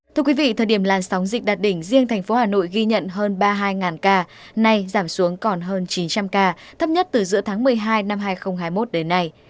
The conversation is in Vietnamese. thưa quý vị thời điểm làn sóng dịch đạt đỉnh riêng thành phố hà nội ghi nhận hơn ba mươi hai ca nay giảm xuống còn hơn chín trăm linh ca thấp nhất từ giữa tháng một mươi hai năm hai nghìn hai mươi một đến nay